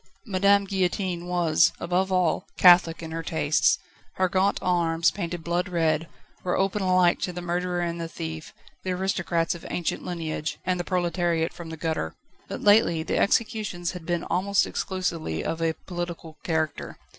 Madame Guillotine was, above all, catholic in her tastes, her gaunt arms, painted blood red, were open alike to the murderer and the thief, the aristocrats of ancient lineage, and the proletariat from the gutter. But lately the executions had been almost exclusively of a political character.